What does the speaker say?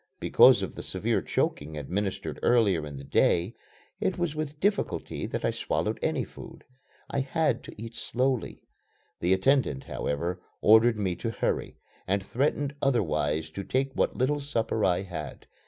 Because of the severe choking administered earlier in the day it was with difficulty that I swallowed any food. I had to eat slowly. The attendant, however, ordered me to hurry, and threatened otherwise to take what little supper I had.